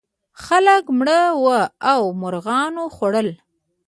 خلک مړه وو او مرغانو خوړل.